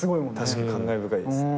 確かに感慨深いですね。